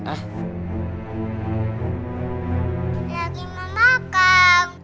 lagi mau makan